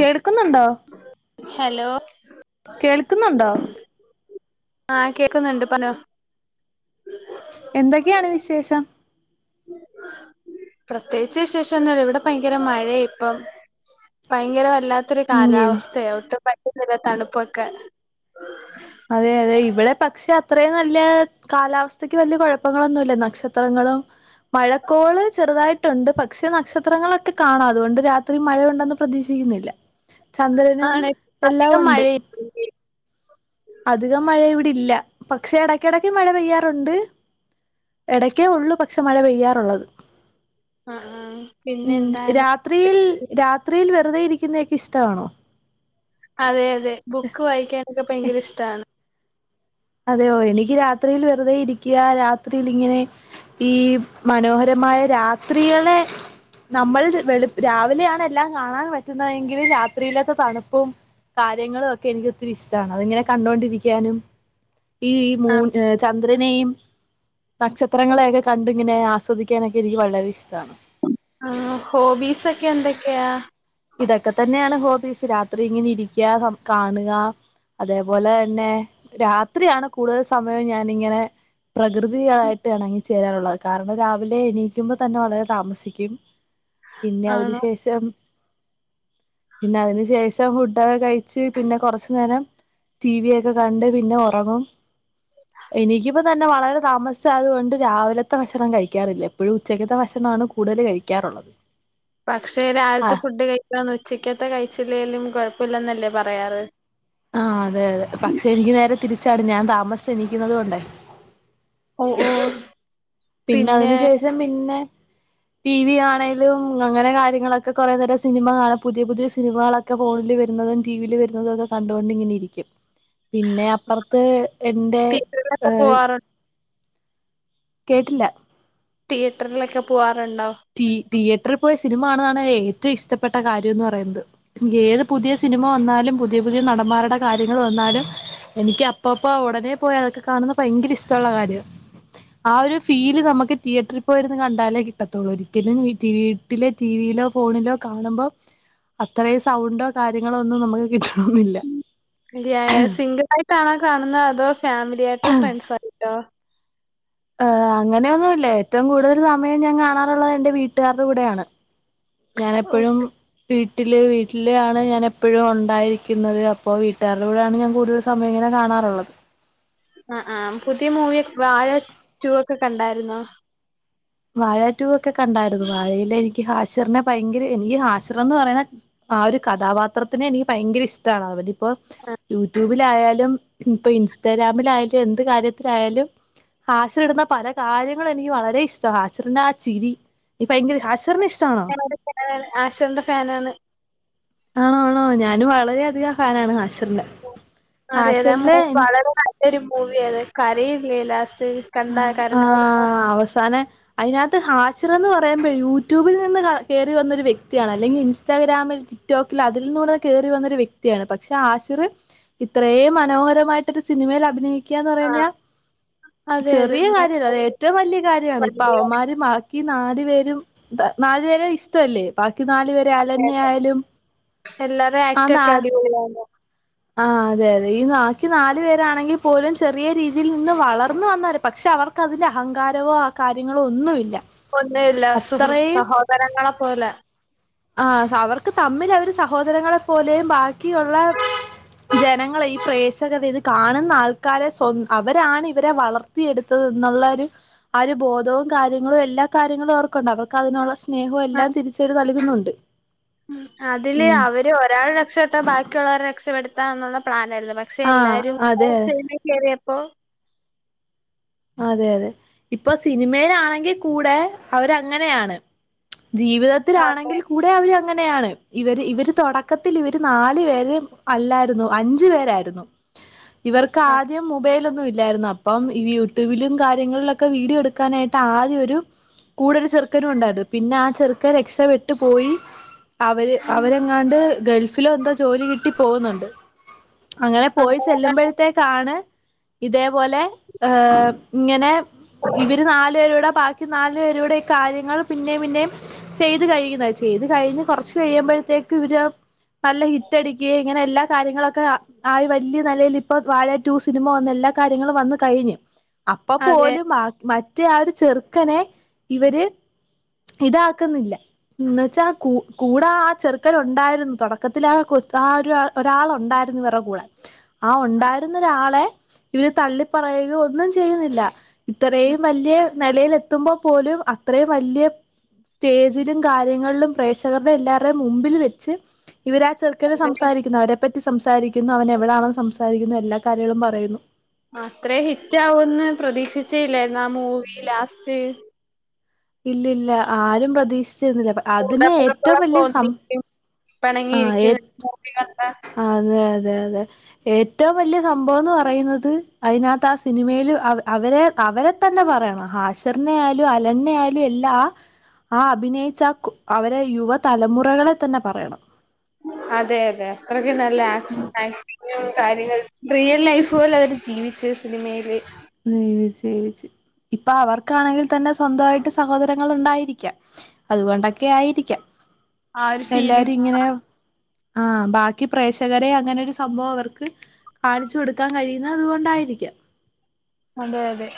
കേൾക്കുന്നുണ്ടോ ഹലോ കേൾക്കുന്നുണ്ടോ ആഹ് കേക്കുന്നുണ്ട് പറഞ്ഞോ എന്തൊക്കെയാണ് വിശേഷം പ്രത്യേകിച്ച് വിശേഷൊന്നുല്ല ഇവിടെ ഭയങ്കര മഴയാ ഇപ്പം ഭയങ്കര വല്ലാത്തൊരു ഉം കാലാവസ്ഥയാ ഒട്ടും പറ്റുന്നില്ല തണുപ്പൊക്കെ അതെ അതെ ഇവിടെ പക്ഷെ അത്രയും നല്ല കാലാവസ്ഥക്ക് വല്ല്യ കുഴപ്പങ്ങളൊന്നും ഇല്ല നക്ഷത്രങ്ങളും മഴക്കോള് ചെറുതായിട്ടുണ്ട് പക്ഷെ നക്ഷത്രങ്ങളൊക്കെ കാണാം അതുകൊണ്ട് രാത്രി മഴ ഉണ്ടെന്ന് പ്രതീക്ഷിക്കുന്നില്ല ചന്ദ്രനും ആണ് എല്ലാം അധികം ഉണ്ട് മഴയില്ല അധികം മഴ ഇവിടില്ല പക്ഷെ ടെക്കെ ടെക്കെ മഴ പെയ്യാറുണ്ട് ഇടയ്ക്കേ ഉള്ളൂ പക്ഷെ മഴ പെയ്യാറുള്ളത് ആഹ് ആഹ് പിന്നെ എന്താണ് ത്രിയിൽ രാത്രിയിൽ വെറുതെ ഇരി ക്യുന്നയെക്കെ ഇഷ്ടാണോ അതെയതെ ബുക്ക് വായിക്യാനൊക്കെ പയങ്കരഷ്ടാണ് അതെയോ എനിക് രാത്രിയിൽ വെറുതെ ഇരിക്യാ രാത്രിൽ ഇങ്ങനെ ഈ മനോഹരമായ രാത്രീകളെ നമ്മൾ വള്പ് രാവിലെയാണ് എല്ലാം കാണാൻ പറ്റുന്നതെങ്കിലും രാത്രിയില്ലാത്ത തണുപ്പും കാര്യങ്ങൾ ഒക്കെ എനിക്ക് ഒത്തിരി ഇഷ്ടമാണ് അത് എങ്ങനെ കണ്ടൊണ്ടിരിക്യാനും ഈ മൂൺ ആഹ് എ ചന്ദ് ന്ദ്രനെയും നക്ഷത്രങ്ങളെയൊക്കെ കണ്ടിങ്ങനെ ആസ്വദിക്കാനൊക്കെ എനിക്ക് വളരെ ഇഷ്ടാണ് ആഹ് ഹോബീസൊക്കെ എന്തൊക്കെയാ ഇതൊക്കെ തന്നെയാണ് ഹോബീസ് രാത്രി ഇങ്ങനെ ഇരിക്യാ കാൺആ അതേപോലെന്നെ രാത്രിയാണ് കൂടുതൽ സമയം ഞാനിങ്ങനെ പ്രകൃതിയായിട്ട് എണങ്ങി ചേരാനുള്ള അ് കാരണം രാവിലെ എണീക്കുമ്പോ തന്നെ വളരെ താമസിക്യും പിന്നെ ആണോ അതിന്ശേഷം പിന്നെ അതിന് ശേഷം ഫുഡ്ഡക്കെ കഴിച്ച് പിന്നെ കൊറഷ് നേരം ത്തീ വി ഒക്കെ കണ്ട് പിന്നെ ഒറങ്ങും എനിക്യുപ്പോ തന്നെ വളരെ താമസ് ഷായത്കൊണ്ട് രാവിലത്തെ ഭക്ഷണം കഴിക്യാറില്ല എപ്പഴും ഉച്ചക്കത്തെ ഭക്ഷ്ണാണ് കുടല് കഴിക്കാറുള്ളത് പക്ഷെ ആ രാവിൽത്തെ ഫുഡ് കഴിക്കണം ഉച്ചക്കത്തെ കഴിച്ചില്ലെലും കൊഴപ്പൊല്ലന്നല്ലേ പറയാറ് ആഹ് അതെ അതെ പക്ഷെ എനിക്ക് നേരെ തിരിച്ചാണ് ഞാൻ താമസ്സ് എണിക്യുന്നത് കൊണ്ടേ ഓ ഓ പിന്നെ അതിന് ശേഷം പിന്നെ ടി വി ആണെേലും അങ്ങനെ കാര്യങ്ങളൊക്കെ കുറെേ നേരം സിനിമ കാണും പുതിയ പുതിയ സിനിമകളൊ ക്ക ഫോൺല് വരുന്നതും ടി വില് വരുന്നതും ഒക്കെ കണ്ടൊണ്ട് ഇങ്ങനെ രിക്യുംപിന്നെ അ അപ്പർത്തെ എന്റെ തിയേറ്ററിലൊക്കെ ഏഹ് പോവാറു കേട്ടില്ല തിയേറ്റർലെക്കെ പോവാറ്ണ്ടോ തി തിയേറ്റ്രർപോയി സിനിമ ആണാണ് ഏറ്റവും ഇഷ്ടപ്പെട്ട കാര്യംന്ന് പറയ്ന്നത് ഏത് പുതിയ സിനിമ വന്നാലും പുതിയ പുതിയ നടന്മാരുടെ കാര്യങ്ങൾ വന്നാലും എനിക്ക് അപ്പോപ്പോ ഉടനെ പോയാ അതൊക്കെ കാണുന്ന പയങ്കര ഇഷ്ടള്ളകാര്യ ആഹ് ഒരു ഫീല് നമക്ക് തിയേട്രിൽ പോയിരിന്ന് കണ്ടാലേ കിട്ടത്ത ത്തൊള്ളു ഒരിക്കലും ഇടിവി വീട്ടിലെ ടിവിയിലോ ഫോണിലോ കാണുമ്പോ അത്രയും സൗണ്ടോ കാര്യങ്ങളോ ഒന്നും നമുക്ക് കിട്ടണൊന്നില്ല യായ സിംഗിൾ ആയിട്ടാണോ കാണുന്ന അ് അതോ ഫാമിലി ആയിട്ടോ ഫ്രണ്ട് സായിട്ടോ ഏ് അങ്ങനെഒന്നുല്ല ഏറ്റവും കൂടുതൽ സമയം ഞാൻ കാണാറുള്ളത് എന്റെ വീട്ടുകാര്ടെ കൂടെയാണ് ഞാനെപ്പഴും വീട്ടില് വീട്ടിലാണ് ഞാൻ എപ്പോഴും ഉണ്ടായിരിക്യുന്നത് അപ്പോ വീട്ടുകാര്ടെ കൂടെയാണ് ഞാൻ കൂടുതൽ സമയങ്ങനെ കാണാറ്ള്ളത് അഹ് ആഹ് പുതിയ മൂവിയെക് വാഴ റ്റു ഒക്കെ കണ്ടാര്ന്നോ വാഴറ്റുഒക്കെ കണ്ടാര്ന്നു വാഴയിലെ എനിക്ക് ഹാഷർനെ പയങ്കര എനിക്യ ഹാഷിർന്ന് പറയുന്ന ആഹ് ഒര് കഥാപാത്രത്തിന് എനിക്ക് പയങ്കര ഇഷ്ടാണ് അവന് ഇപ്പോ യൂട്യൂബിലായാലും ഇൻപ്പൊ ഇൻസ്റ്റഗ്രാമിലായാലും എന്ത് കാര്യത്തിലായാലും ഹാഷിർ ഇടുന്ന പല കാര്യങ്ങളും എനിക്ക് വളരെ ഇഷ് ഹാഷിർനെ ആചിരി എനിക്ക് പയങ്കര ഹാസിർറിനെ ഇഷ്ടാണ് ഫാനാണ് ഹാഷിർന്റെ ഫാനാണ് ആണോ ആണോ ഞാനും വളരെ അധികം ഫാനാണ് ഹാഷിർന്റെ അതെ അതെ മൂവി വളരെ നല്ലൊരു മൂവി അതെ കരയില്ലേ ലാസ്റ്റ് കണ്ട കരഞ്ഞായിരുന്നോ ആഹ് അവസാന അയ്നകത്ത് ഹാഷിറ്ന്ന് പറയുമ്പഴ് യൂട്യൂബിൽ നിന്ന് കഴ കേറി വന്നൊരു വ്യക്തിയാണ് അല്ലെങ്കി ഇൻസ്റ്റാഗ്രാമിൽ ടിക്റ്റോക് അതിൽ നിന്നൂടെ കയറി വന്നൊരു വ്യക്തിയാണ് പക്ഷെ ഹാഷിർ ഇത്രേം മനോഹരമായിട്ടൊരു സിനിമയിൽ അഭിനയിക്കാന്ന് ആ പറഞ്ഞ അതെ അതെ ചെറിയ കാര്യല്ല അത് ഏറ്റവും വല്ല്യ കാര്യമാണ് ഇപ്പൊ അവന്മാര് ഈ നാലു പേരും നാല് പേരിം ഇഷ്ടമല്ലേ? ബാക്കി നാലു പേരെ അലന്നെ ആയാലും എല്ലാരെ ആ ആക്ട് ന്നാ ഒക്കെ അടിപൊളിയാണ് ആ അതെ അതെ ഈ ബാക്കി നാല് പേരാണെങ്കിൽ പോലും ചെറിയ രീതിയിൽ നിന്നും വളർ വളർന്ന് വന്നവര പക്ഷെ അവർക്ക് അതിന്റെ അഹങ്കാരവോ ആ കാര്യങ്ങളോ ഒന്നുവില്ല ഒന്നും ഇല്ല സുഹൃത് സഹോദരങ്ങളെ പോലെ ആ അവർക്ക് തമ്മിൽ അവര് സഹോദരങ്ങളെ പോലെയും ബാക്കിയുള്ള ജനങ്ങളെ ഈ പ്രേക്ഷകത ഇത് കാണുന്ന ആൾക്കാരെ സ്വ അവരാണ് ഇവരെ വളർ വളർത്തി എടുത്തത് എന്നുള്ള ഒരു ആ ഒരു ബോധവും കാര്യങ്ങളും എല്ലാ കാര്യങ്ങളും അവർക്കുണ്ട് അവർക്ക് അതിനുള്ള സ് സ്നേഹും എല്ലാം തിരിച്ചവര് നൽകുന്നുണ്ട് ഉം അതില് ഉം അവര് ഒരാൾ രക്ഷ പ്പെട്ട ബാക്കിയുള്ളവരെ രക്ഷപ്പെടുത്താ എന്നുള്ള പ്ലാന ആയിരുന്നു പക്ഷെ ആ എല്ലാരും അതെ [unintelligible] സിനിമേ കെറിയപ്പോ അതെ അതെ ഇപ്പൊ സിനിമയിലാണെങ്കിൽ കൂടെ അവരങ്ങനെയാണ് അതെ ജീവിതത്തിലാണെങ്കിൽ കൂടി ഇവര് അങ്ങനെയാണ് ഇവര് ഇവര് തുടക്കത്തിൽ ഇവര് നാല് പേര് അല്ലായിരുന്നു അഞ്ച് പേരായിരുന്നു ഇവർക്ക് ആ ആദ്യം മുബൈലൊന്നും ഇല്ലായിരുന്നു അപ്പം ഇവ യൂട്യൂ യൂട്യൂബിലും കാര്യങ്ങളിലൊക്കെ വീഡിയോ എടുക്കാനായിട്ട് ആദ്യം ഒരു കൂടെ ഒരു ചെറുക്കനും ഉണ്ടായിരുന്നു പിന്നെ ആ ചെറുക്കൻ രക്ഷപെട്ടു പോയി അവര് അവരെങ്ങാണ്ട് ഗൾഫിലോ എന്തോ ജോലി കിട്ടി പോവുന്നുണ്ട് അങ്ങനെ പോയി അങ്ങനെ ചെല്ലുമ്പോഴത്തേക്കാണ് ഇതേപോലെ ഏഹ് ഇങ്ങനെ ഇവര് നാലു പേരുടെ ബാക്കി നാലു പേരുടെ ഈ കാര്യങ്ങൾ പിന്നെം പിന്നെം ചെയ്ത് കഴിയുന്നെ ചെയ്ത് കഴിഞ്ഞ് കൊറച്ച് കഴിയുമ്പോഴത്തേക്ക് ഇവര് നല്ല ഹിറ്റ് അടിക്കേം ഇങ്ങനെ എല്ലാ കാര്യങ്ങളൊക്കെ ആയി വല്ല്യ നെലയിൽ ഇപ്പ വാഴ ടു സിനിമ വന്ന് എല്ലാ കാര്യങ്ങളും വന്നു കഴിഞ്ഞ് അപ്പം അതെ പോലും ആ മറ്റേ ആ ഒരു ചെറുക്കനെ ഇവര് ഇതാക്ക്ന്നില്ല എന്ന് വെച്ചാൽ കൂ കൂടെ ആ ചെറുക്കൻ ഉണ്ടായിരുന്നു തുടക്കത്തിലാ ആ കൊ ആ ഒരു ആ ഒരാളുണ്ടായിരുന്നു ഇവരെ കൂടെ ആ ഒണ്ടായിരുന്നൊരാളെ ഇവര് തള്ളിപ്പറയുകയോ ഒന്നും ചെയ്യുന്നില്ല ഇത്രയും വല്ല്യ നെലയിലെത്തുമ്പോ പോലും അത്രയും വല്ല്യ സ്റ്റേജിലും കാര്യങ്ങളിലും പ്രേക്ഷകരുടെ എല്ലാര്ടെയും മുമ്പിൽ വെച്ച് ഇവരാ ചെക്കനെ ക്കനെ അതെ സംസാരിക്കുന്നു അവരെപ്പറ്റി സംസാരിക്കുന്നു അവൻ എവിടാണെന്ന് സംസാരിക്കുന്നു എല്ലാ കാര്യങ്ങളും പറയുന്നു അത്രേം ഹിറ്റ് ആവൂന്ന് പ്രതീക്ഷിച്ചീല്ലേന്നോ ആ മൂവി ലാസ്റ്റ് ഇല്ല ഇല്ല ആരും പ്രതീക്ഷിച്ചിരുന്നില്ല ബട്ട് അതിന് ഏറ്റവും കൂടപ്പുറപ്പുകളൊക്കെ വല്ല്യ സം ഒന്നിക്കും ആഹ് ഏ പിണങ്ങിയിരിക്കുന്ന, മൂവി കണ്ടെ അതെ അതെ അതെ ഏറ്റവും വലിയ സംഭവന്ന് പറയുന്നത് അയ്നകത്ത് ആ സിനിമേൽ അവ അവരെ അവരെത്ത തന്നെ പറയണം ഹാഷറിനെ ആയാലും അലനെ ആയാലും എല്ലാ ആ അഭിനയിച്ച കു അവരെ യുവ തലമുറകളെ തന്നെ പറയണം അതെ അതെ അത്രക്ക് നല്ല ആക്ഷാ ആക്ടിങ് കാര്യങ്ങൾ റിയൽ ലൈഫ് പോലെ അവര് ജീവിച്ച് സിനിമയില് [unintelligible] ഇപ്പം അവർക്കാണെങ്കിൽ തന്നെ സ്വന്തവായിട്ട് സഹോദരങ്ങൾ ഉണ്ടായിരിക്കാം അതുകൊണ്ടൊക്കെ ആയിരിക്കാം ആ ഒരു എല്ലാരും ഫീലിംഗ് ഇങ്ങനെ ആഹ് ബാക്കി പ്രേക്ഷകരെ അങ്ങനൊരു സംഭവം അവർക്ക് കാണിച്ചു കൊടുക്കാൻ കഴിയുന്നെതതുകൊണ്ടായിരിക്കാം. അതെ അതെ.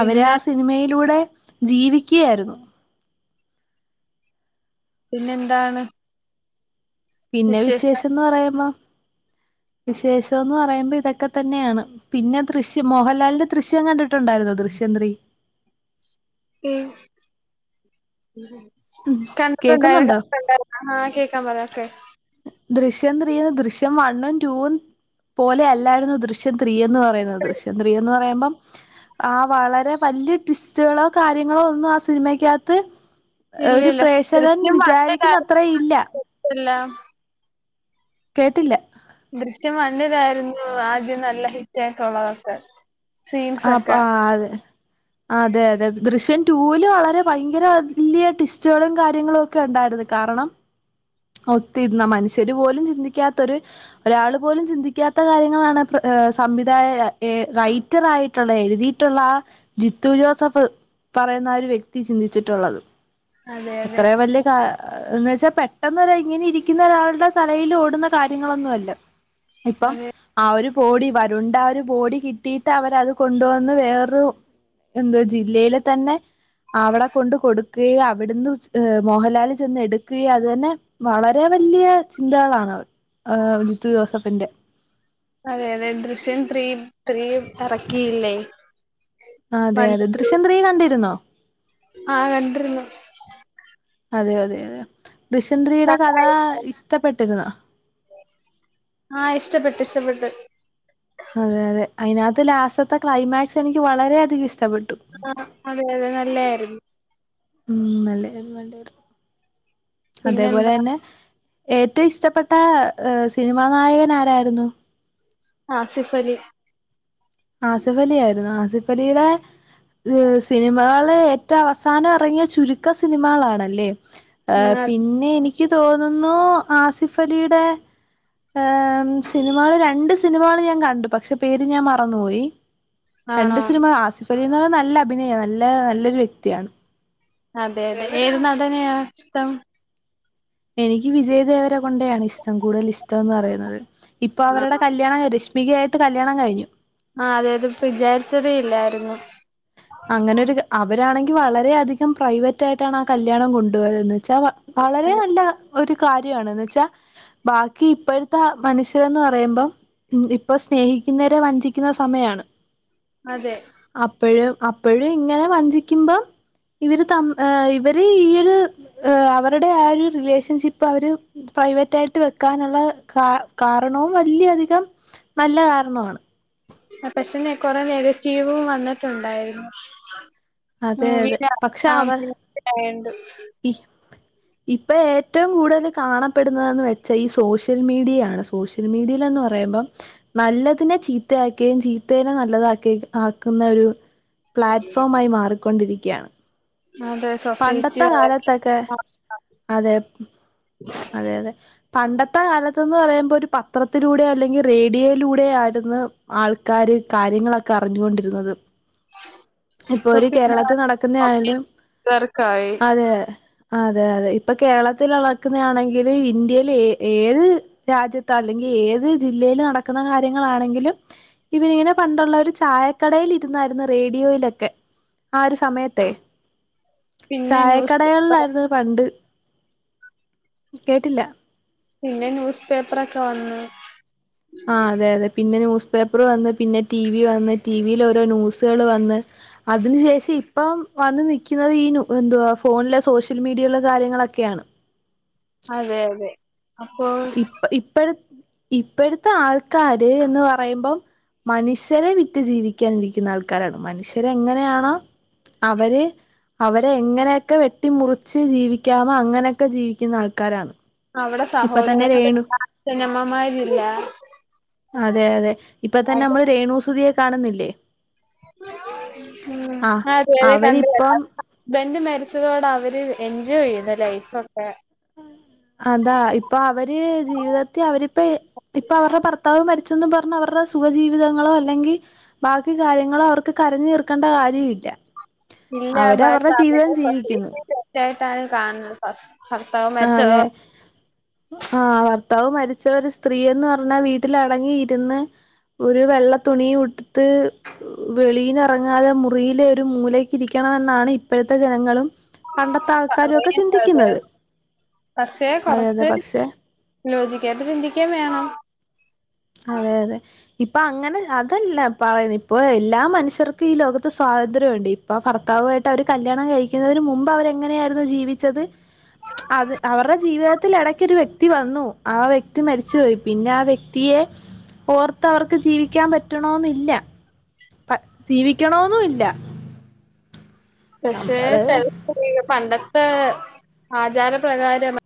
അവെരാ സിനിമയിലൂടെ ജീവിക്കൃയായിരുന്നു. പിന്നെന്താണ്? പിന്നെ വിശേഷം വിശേഷെന്ന് പറയുമ്പോ വിശേഷെന്ന് പറയുമ്പോ ഇതൊക്കെ തന്നെയാണ്. പിന്നെ ദൃശ്യം, മോഹലാലിന്റെ ദൃശ്യം കണ്ടിട്ടുണ്ടായിന്നോ ദൃശ്യം ത്രീ എഹ് കണ്ടുട്ടുണ്ടായി കേക്കുന്നുണ്ടോ കണ്ടുട്ടുണ്ടായി ആഹ് കേക്കാൻ പറാ ഒക്കെ. ദൃശ്യം ത്രീ ദൃശ്യം വണ്ണും റ്റൂവും പോലെ അല്ലായിരുന്നു ദൃശ്യ ദൃശ്യം ത്രീന്ന്പറയുന്നത് ദൃശ്യംത്രീ എന്ന് പറയ്മ്പം. ആഹ് വളരെ വല്ല്യ ട്വിസ്റ്റുകളോ കാര്യങ്ങളോ ഒന്ന് ആഹ് സിനിമക്കകത്ത്. ഇല്ല ഒരു ഇല്ല പ്രേക്ഷകൻ വിചാരിക്കുന്ന അത്രഇല്ല ല്ലാ കേട്ടില്ല. ദൃശ്യം വണ്ണിലായിരുന്നു ആദ്യം നല്ല ഹിറ്റായിട്ടുള്ളതൊക്കെ. ആപ്പാതെ അതെ അതെ ദൃശ്യം റ്റൂല് വളരെ ഭയങ്കര വലൃയ ടിസ്റ്റുകളും കാര്യങ്ങളെ ക്കെണ്ടായിരുന്നു കാരണം ഒത്തിര്ന്നാ മനുഷ്യര് പോലും ചിന്തിക്കാത്തൊര്. ഒരാള്പോലും ചിന്തിക്കാത്ത കാര്യങ്ങളാണ് സംവിധായ ഏഹ് നൈ ഹിറ്ററായിട്ടുള്ള എഴുതീട്ടുള്ളാ ജിത്തു ജോസഫ്. പറയുന്നാ ആഹ് ഒരു വ്യക്തി ചിന്തിച്ചിട്ടുള്ളത് അതെ അതെ അത്രേ വല്യ കാ ന്ന് വെച്ചാൽ പെട്ടെന്നെര്, ഇങ്ങനെ ഇരിക്കുന്ന ഒരാളുടെ തലയിൽ ഓടുന്ന കാര്യങ്ങളൊന്നെല്ല. ഇപ്പം ആഹ് ഒരു ബോടി വരുൺ ൻ്റെഒരു ബോടി കിട്ടി. ട്ട അവരത് കൊണ്ടുവന്ന് വേറൊരു എന്തേ ജില്ലയിൽ തന്നെ. അവടെ കൊണ്ട് കൊടുക്കുകയും അവിട്ന്ന് മോഹലാൽ ചെന്ന് എടുക്കുകയും അതു തന്നെ. വളരെ വല്വ ചിന്തകളാണ് ആഹ് ജിത്തു ജോസഫിന്റെ. അതെ അതെ ദൃശ്യം ത്രീ ത്രീം എറക്കിയില്ലേ. ആഹ് അതെ അതെ ദൃശ്യം ത്രീ കണ്ടിരുന്നോ. ആഹ് കണ്ടിര്ന്നു. അതെ, അതെ, അതെ ദൃശൃം ത്രി യുടെ കഥാ ഇഷ്ടപ്പെട്ട്ക്ക്ന്നോ. ആഹ് ഇഷ്ടപ്പെട്ട് ഇഷ്ട്ടപ്പെട്ട്. അതെ അതെ അയ്നാത്ത് ലാസ് റ്റ്ത്തെ ക്ലൈമാക്സ് എനിക്ക് വളരെയധികം ഇഷ്ടപ്പെട്ടു. ആഹ് അതെ അതെ നല്ലെ യായിരുന്നു ഉം നല്ല യായിരുന്നു നല്ല രുന്നു പിന്നെന്താ അതേപോലെന്നെ ഏറ്റവും ഇഷ്ടപ്പെട്ട സിനിമാ നായകൻ, ആരായിരുന്നു ആസിഫലി. ആസിഫലി ആയിരുന്നേ ആസിഫലിയുടെ. ഉം സിനിമാള് ഏറ്റവസാനം എറങ്ങിയ ചുരുക്ക സിനിമകളാണ്ല്ലെ. ഉം, ഏഹ് പിന്നെ എനിക്ക് തോന്നുന്നു ആസിഫലിയുടെ. ഏം സിനിമകള് രണ്ട് സിനിമകള് ഞാൻ കണ്ടു പക്ഷെ പേര് ഞാൻ മർ ന്ന്നോയി ആണോ രണ്ട് സിനിമ ആസിഫ ലിനെക്കാളും നല്ലഭിനയാ നല്ല നല്ലൊരു വ്യക്തിയാണ്. അതെ, അതെ, ഏത് നടനെയാഷ്ടം. എനിക്ക് വിജയദേവരെ കൊണ്ടയാണ്ഷ്ടം കൂടുതലിഷ്ടന്ന് പറയുന്നത് ഇപ്പൊ ആ അവരുടെ കല്യാണ രഷ് മികെയായിട്ട് കല്യാണം കഴിഞ്ഞു. ആഹ് അതെത് വിചാരിച്ചതേ ഇല്ലായിരുന്നു. അങ്ങനെരു അവരാണെങ്കിൽ വളരെയധികം പ്രയ്യിവറ്റായിട്ടാണ ആഹ് കല്യാണം കൊണ്ടുപോയത് വെച്ചാ വളരെ നല്ല ഒരു കാര്യണെന്ന് വെച്ചാ. ബാക്കി ഇപ്പഴ്ത്ത മനുഷ്യരെന്ന് പറയുമ്പം. ഉം ഇപ്പൊ സ്നേഹിക്കുന്നെരെ വഞ്ചിക്കുന്ന സമയാണ്. അതെ അപ്പഴും അപ്പഴും ഇങ്ങനെ വഞ്ചിക്കുമ്പം ഇവര് ത ഇവര് ഈയൊരു അവരുടെ ആഹ് ഒരു റിലേഷൻഷിപ്പ് അവര് പ്രൈവറ്റയിട്ട് വെക്കാനുള്ള കാ കാരണവും വലിയ അധികം നല്ല കാരണമാണ് ആ പക്ഷേന്നെ കൊറെ നെഗറ്റീവും വന്നിട്ടുണ്ടായിരുന്നു അതെ അതെ [unintelligible] അങ്ങനേണ്ട് ഇ ഇപ്പൊ ഏറ്റവും കൂടുതൽ കാണപ്പെടുന്നതെന്ന് വെച്ചാൽ ഈ സോഷ്യൽ മീഡിയയാണ് സോഷ്യൽ മീഡിയയിലെന്ന് പറയുമ്പം നല്ലതിനെ ചീത്തയാക്കുകയും ചീത്തേനെ നല്ലതാക്കി ആക്കുന്ന ഒരു പ്ലാറ്റ്ഫോമായി മാറിക്കൊണ്ടിരിക്കുകയാണ് അതെ സൊസൈറ്റി പണ്ടത്തെ വളരെ കാലത്തൊക്കെ അതെ അതെ അതെ പണ്ടത്തെ കാലത്ത്ന്ന് പറയുമ്പോ ഒരു പത്രത്തിലൂടെ അല്ലെങ്കിൽ റേഡിയോയിലൂടെ ആയിരുന്നു ആൾക്കാര് കാര്യങ്ങളൊക്കെ അറിഞ്ഞുകൊണ്ടിരുന്നത് ഇപ്പൊ ഒരു കേരളത്തിൽ നടക്കുന്ന ആയാലും സർക്കായ് അതെ അതെ അതെ ഇപ്പൊ കേരളത്തിൽ അളക്കുന്ന ആണെങ്കിലും ഇന്ത്യയിൽ ഏ ഏത് രാജ്യത്ത് അല്ലെങ്കിൽ ഏത് ജില്ലയില് നടക്കുന്ന കാര്യങ്ങളാണെങ്കിലും ഇവര് ഇങ്ങനെ പണ്ടുള്ള ഒരു ചായക്കടയിൽ ഇരുന്നായിരുന്നു റേഡിയോയിലൊക്കെ ആ ഒരു സമയത്തെ പിന്നെ ന്യൂസ് പേപ്പർ ചായക്കടകളിലായിരുന്നു പണ്ട് കേട്ടില്ല പിന്നെ ന്യൂസ് പേപ്പർക്കെ വന്നു ആ അതെ അതെ പിന്നെ ന്യൂസ് പേപ്പർ വന്ന് പിന്നെ ടി വി വന്ന് ടി വിൽ ഓരോ ന്യൂസുകൾ വന്ന് അതിന് ശേഷം ഇപ്പം വന്ന് നിക്കുന്നത് ഈ എന്തുവാ ഫോണിലെ സോഷ്യൽ മീഡിയേല കാര്യങ്ങളൊക്കെയാണ് അതെ അതെ അപ്പൊ ഇപ്പ ഇപ്പഴ ഇപ്പഴത്തെ ആൾക്കാര് എന്ന് പറയുമ്പം മനുഷ്യരെ വിറ്റ് ജീവിക്കാനിരിക്കുന്ന ആൾക്കാരാണ് മനുഷ്യര് എങ്ങനെയാണോ അവര് അവരെ എങ്ങനെയൊക്കെ വെട്ടി മുറിച്ച് ജീവിക്കാമോ അങ്ങനെയൊക്കെ ജീവിക്കുന്ന ആൾക്കാരാണ് അവിടെ ഇപ്പൊ തന്നെ രേണു സഹോദരനമ്മമാരില്ല അതെ അതെ ഇപ്പ തന്നെ നമ്മള് രേണുസുതിയെ കാണുന്നില്ലേ ഉം ആഹ് അതെ അതെക്കണ്ട് അവരിപ്പം ബന്റ് മരിച്ചതോടെ അവര് എൻജോയ് ചെയ്യുന്ന് ലൈഫ് ഒക്കെ അതാ ഇപ്പൊ അവര് ജീവിതത്തിൽ അവരിപ്പ ഇപ്പൊ അവരുടെ ഭർതാ ഭർത്താവ് മരിച്ചന്ന് പറഞ്ഞഞ് അവരുടെ സുഖജീവിതങ്ങളോ അല്ലെങ്കിൽ ബാക്കി കാര്യങ്ങളോ അവർക്ക് ക്ക് കരഞ്ഞു തീർക്കേണ്ട കാര്യമില്ല ഇല്ല അവര് ബ അവരുടെ ജീവിതം ജീവിക്കുന്നു തീർച്ചയായിട്ടാണ് കാണുന്നത് ഭർത്താവ് ആഹ് മരിച്ചത് അതെ ആഹ് ഭർത്താവ് മരിച്ച ഒരു സ്ത്രീയെന്ന് പറഞ്ഞാ വീട്ടിലടങ്ങി ഇരുന്ന് ഒരു വെള്ള തുണി ഉട്ത്ത് വെളിയിൽ എറങ്ങാതെ മുറിയിലെ ഒരു മൂലക്ക് ഇരിക്കണമെന്നാണ് ഇപ്പോഴത്തെ ജനങ്ങളും പണ്ടത്തെ ആൾക്കാരും ഒക്കെ സമയത്തത് ചിന്തിക്കുന്നത് പക്ഷെ അതെ അതെ കുറച്ച് പക്ഷെ ലോജിക്കായിട്ട് ചിന്തിക്കെം വേണം അതെ അതെ ഇപ്പൊ അങ്ങനെ അതല്ല പറയുന്ന ഇപ്പൊ എല്ലാ മനുഷ്യർക്കും ഈ ലോകത്ത് സ്വാതന്ത്ര്യണ്ട് ഇപ്പൊ ഭർത്താവു ആയിട്ട് അവര് കല്യാണം കഴിക്കുന്നതിന് മുമ്പ് അവര് എങ്ങനെയായിരുന്നോ ജീവിച്ചത് അത് അവരുടെ ജീവിതത്തിൽ ഇടക്കൊരു വ്യക്തി വ്യക്തി വന്നു ആ വ്യക്തി മരിച്ചുപോയി പിന്നെ ആ വ്യക്തി ത്തിയെ ഓർത്തവർക്ക് ജീവിക്കാൻ പറ്റണമെന്നില്ല ജീവിക്കണോന്നുല്ല പക്ഷെ ചില പണ്ടത്തെ ആചാരപ്രകാരം